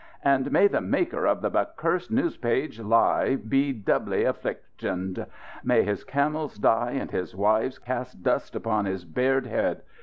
"And may the maker of the becurst newspage lie be doubly afflictioned! May his camels die and his wives cast dust upon his bared head!